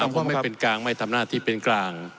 ไม่โปรดว่าผมไม่เป็นกลางไม่ทำหน้าที่เป็นกลาง